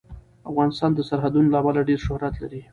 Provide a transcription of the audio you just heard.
افغانستان د سرحدونه له امله شهرت لري.